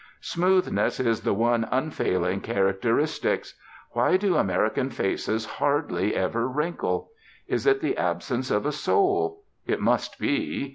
Smoothness is the one unfailing characteristic. Why do American faces hardly ever wrinkle? Is it the absence of a soul? It must be.